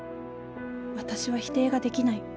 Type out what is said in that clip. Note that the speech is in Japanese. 私は否定ができない。